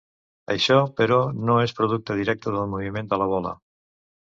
Això, però, no és un producte directe del moviment de la bola.